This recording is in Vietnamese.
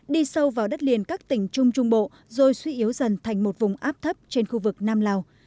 đi sâu vào đất liền các tỉnh trung trung bộ rồi suy yếu dần thành một vùng áp thấp trên khu vực nam lào